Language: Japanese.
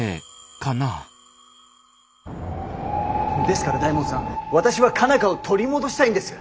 ですから大門さん私は佳奈花を取り戻したいんです。